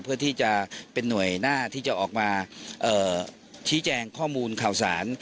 เพื่อที่จะเป็นหน่วยหน้าที่จะออกมาชี้แจงข้อมูลข่าวสาร